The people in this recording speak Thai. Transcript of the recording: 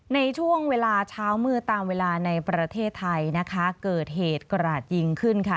ในช่วงเวลาเช้ามืดตามเวลาในประเทศไทยนะคะเกิดเหตุกระหลาดยิงขึ้นค่ะ